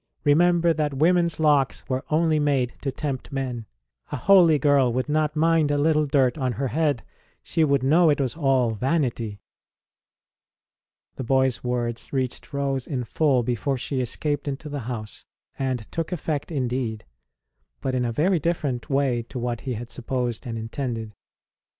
Remember that women s locks were only made to tempt men ! A 52 ST. ROSE OF LIMA holy girl would not mind a little dirt on her head she would know it was all vanity ! The boy s words reached Rose in full before she escaped into the house, and took effect in deed, but in a very different way to what he had supposed and intended.